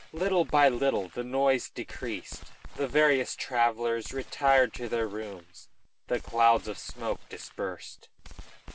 Little by little the noise decreased, the various travellers retired to their rooms, the clouds of smoke dispersed.